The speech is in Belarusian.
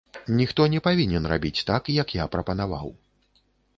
Ніхто не павінен рабіць так, як я прапанаваў.